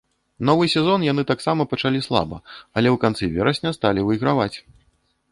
Новы сезон яны таксама пачалі слаба, але ў канцы верасня сталі выйграваць.